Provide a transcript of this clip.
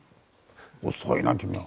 遅いな君は。